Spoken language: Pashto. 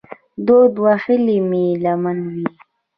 دود وهلې مې لمن وي